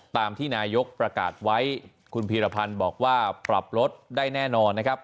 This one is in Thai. ตามที่นายกประกาศไว้คุณพีรพันธ์บอกว่าปรับลดได้แน่นอนนะครับ